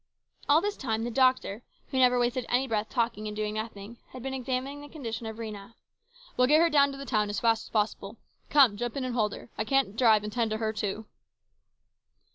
All this time the doctor, who never wasted any breath talking and doing nothing, had been examining the condition of Rhena. " We'll get her down to the town as fast as possible. Come, 13 194 HIS BROTHER'S KEEPER. jump in and hold her. I can't drive and tend to her, too."